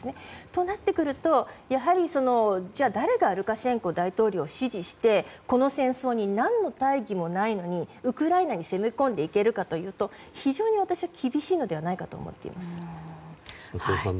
そうなってくると誰がルカシェンコ大統領を支持してこの戦争に何の大義もないのにウクライナに攻め込んでいけるかというと非常に厳しいのではないかと思っています。